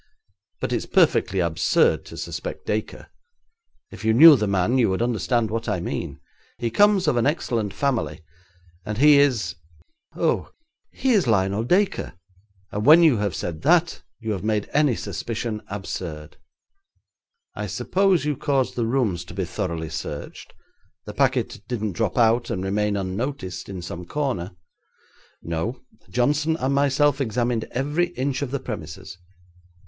But it's perfectly absurd to suspect Dacre. If you knew the man you would understand what I mean. He comes of an excellent family, and he is oh! he is Lionel Dacre, and when you have said that you have made any suspicion absurd.' 'I suppose you caused the rooms to be thoroughly searched. The packet didn't drop out and remain unnoticed in some corner?' 'No; Johnson and myself examined every inch of the premises.'